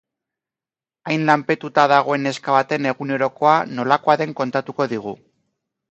Hain lanpetatuta dagoen neska baten egunerokoa nolakoa den kontatuko digu.